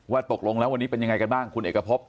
ตกลงแล้ววันนี้เป็นยังไงกันบ้างคุณเอกพบ